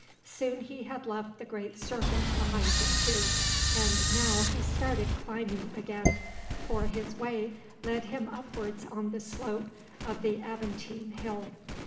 Soon he had left the great circus behind him too, and now he started climbing again, for his way led him upwards on the slope of the Aventine Hill.